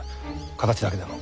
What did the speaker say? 形だけでも。